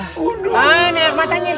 hah air matanya